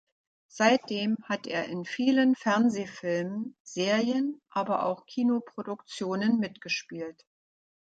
Seitdem hat er in vielen Fernsehfilmen, Serien aber auch Kinoproduktionen mitgespielt.